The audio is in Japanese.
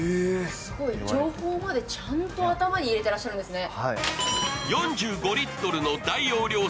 すごい情報までちゃんと頭に入れてらっしゃるんですね。